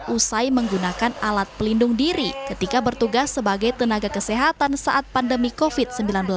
usai menggunakan alat pelindung diri ketika bertugas sebagai tenaga kesehatan saat pandemi covid sembilan belas